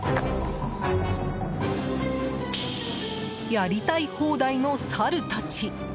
やりたい放題のサルたち！